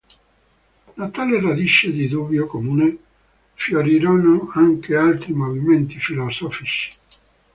Da tale radice di dubbio comune fiorirono anche altri movimenti filosofici.